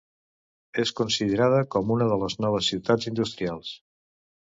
És considerada com una de les noves ciutats industrials.